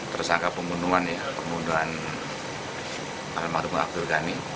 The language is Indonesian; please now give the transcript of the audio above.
tersangka pembunuhan ya pembunuhan abdul ghani